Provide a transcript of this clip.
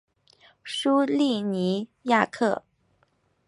苏利尼亚克。